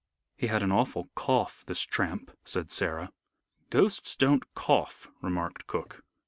"He had an awful cough, this tramp," said Sarah. "Ghosts don't cough," remarked cook.